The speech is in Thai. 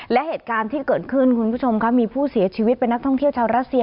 และเหตุการณ์ที่เกิดขึ้นคุณผู้ชมค่ะมีผู้เสียชีวิตเป็นนักท่องเที่ยวชาวรัสเซีย